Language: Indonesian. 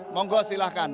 mohon gue silahkan